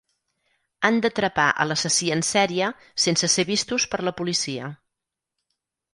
Han d'atrapar a l'assassí en sèrie sense ser vistos per la policia.